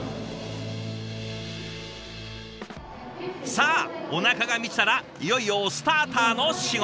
さあおなかが満ちたらいよいよスターターの仕事。